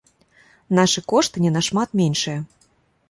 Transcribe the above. Нашы кошты не нашмат меншыя.